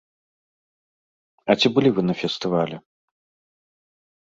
А ці былі вы на фестывалі?